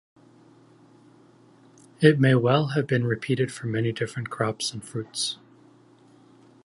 It may well have been repeated for many different crops and fruits.